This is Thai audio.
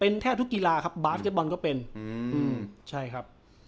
เป็นแทบทุกกีฬาครับบาสเต็ปบอลก็เป็นอืมอืมใช่ครับอ้อ